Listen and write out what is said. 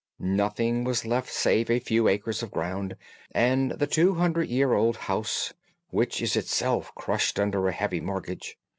Nothing was left save a few acres of ground, and the two hundred year old house, which is itself crushed under a heavy mortgage.